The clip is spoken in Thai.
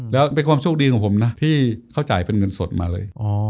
แล้วเป็นความโชคดีของผมนะที่เขาจ่ายเป็นเงินสดมาเลย